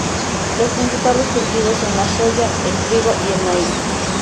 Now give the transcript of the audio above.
Los principales cultivos son la soja, el trigo y el maíz.